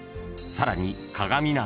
［さらに］